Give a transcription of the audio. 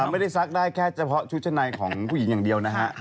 ไม่ได้ซักได้แค่เฉพาะชุดชั้นในของผู้หญิงอย่างเดียวนะฮะ